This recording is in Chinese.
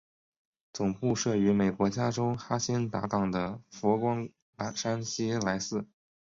总部设于美国加州哈仙达岗的佛光山西来寺。